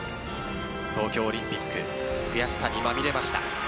東京オリンピック悔しさにまみれました。